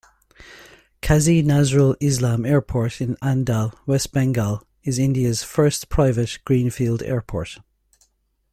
Kazi Nazrul Islam Airport in Andal, West Bengal, is India's first private greenfield airport.